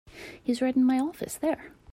He's right in my office there.